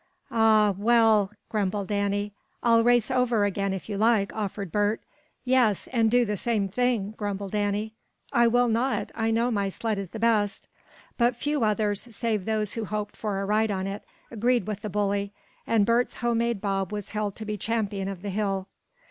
"Aw, well," grumbled Danny. "I'll race over again, if you like," offered Bert. "Yes, and do the same thing," grumbled Danny. "I will not. I know my sled is the best." But few others, save those who hoped for a ride on it, agreed with the bully, and Bert's homemade bob was held to be champion of the hill.